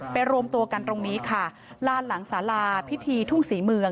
รวมตัวกันตรงนี้ค่ะลานหลังสาราพิธีทุ่งศรีเมือง